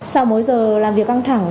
sau mỗi giờ làm việc căng thẳng